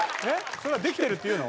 それはできてるって言うの？